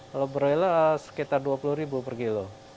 kalau broiler sekitar dua puluh per kilo